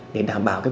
để đảm bảo